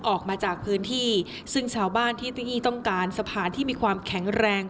ออกมาจากพื้นที่ซึ่งชาวบ้านที่เก้าอี้ต้องการสะพานที่มีความแข็งแรง